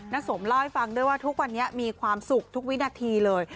สมเล่าให้ฟังด้วยว่าทุกวันนี้มีความสุขทุกวินาทีเลย